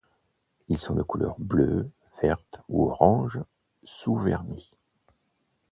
Ils sont de couleur bleue, verte ou orange, sous vernis.